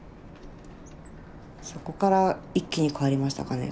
そこから一気に変わりましたかね